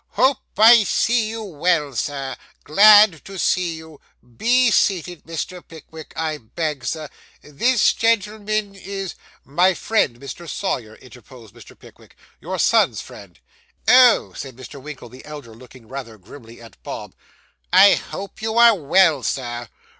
'Hope I see you well, sir. Glad to see you. Be seated, Mr. Pickwick, I beg, Sir. This gentleman is ' 'My friend, Mr. Sawyer,' interposed Mr. Pickwick, 'your son's friend.' 'Oh,' said Mr. Winkle the elder, looking rather grimly at Bob. 'I hope you are well, sir.